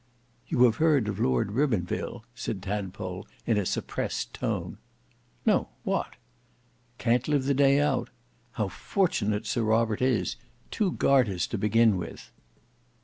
"You have heard of Lord Ribbonville?" said Tadpole in a suppressed tone. "No; what?" "Can't live the day out. How fortunate Sir Robert is! Two garters to begin with!"